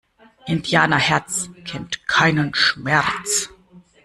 Indianerherz kennt keinen Schmerz!